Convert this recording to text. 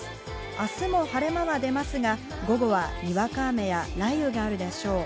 明日も晴れ間は出ますが、午後はにわか雨や雷雨があるでしょう。